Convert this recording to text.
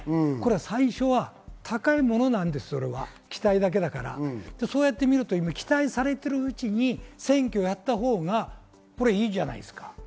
最初は高いものなんです、期待だけだから期待されているうちに選挙をやったほうがいいじゃないですか。